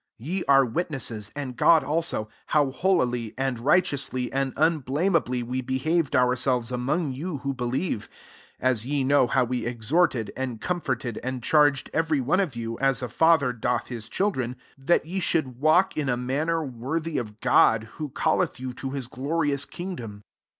10 Ye are witnesses, and God also, how holily, and righ teously, and unblameably we behaved ourselves among you who believe : 1 1 as ye know how we exhorted, and com forted, and charged every one of you, as a father doth his :hildren, 12 that ye should svalk in a manner worthy of God, who calleth you to his glorious kingdom.